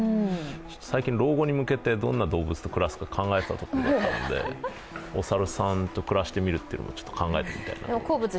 最近老後に向けてどんな動物と暮らすか考えていたところなのでお猿さんと暮らしてみるのも考えてみたいと思います。